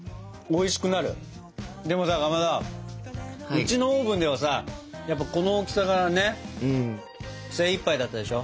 うちのオーブンではさやっぱこの大きさがね精いっぱいだったでしょ。